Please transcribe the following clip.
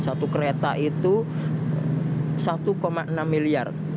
satu kereta itu satu enam miliar